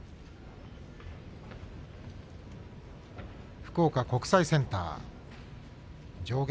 福岡国際センター上限